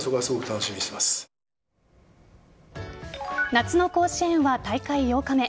夏の甲子園は大会８日目。